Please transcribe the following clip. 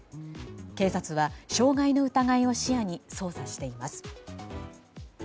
警察は傷害の疑いを視野に捜査しています。